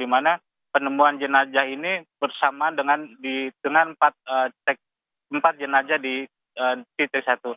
di mana penemuan jenazah ini bersama dengan empat jenazah di titik satu